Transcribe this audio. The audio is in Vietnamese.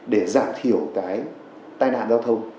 để giảm thiểu cái tai nạn giao thông